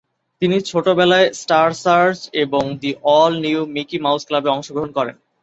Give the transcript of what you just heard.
তিনি ছোটবেলায় Star Search এবং the all new Mickey Mouse ক্লাবে অংশগ্রহণ করেন।